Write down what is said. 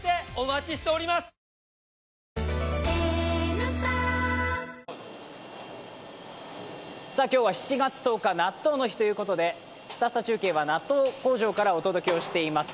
ニトリ今日は７月１０日、納豆の日ということで、「すたすた中継」は納豆工場からお届けをしています。